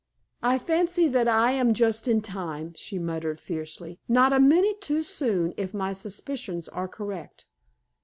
"I fancy that I am just in time," she muttered, fiercely. "Not a minute too soon, if my suspicions are correct."